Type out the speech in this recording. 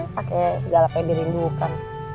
pake segala yang dirindukan